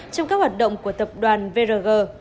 trong các hoạt động của tập đoàn vrg